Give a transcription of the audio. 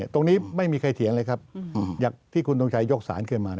ไม่มีใครเถียงเลยครับอย่างที่คุณทงชัยยกสารขึ้นมา